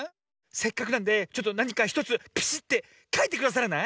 せっかくなんでちょっとなにか１つピシッてかいてくださらない？